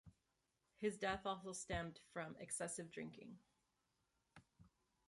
His death also stemmed from excessive drinking.